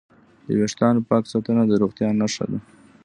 د وېښتانو پاک ساتنه د روغتیا نښه ده.